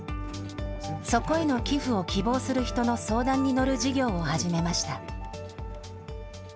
そこへの寄付を希望する人の相談に乗る事業を始めました。